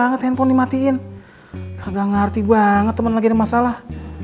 ngertiin kagak ngerti banget temen lagi masalah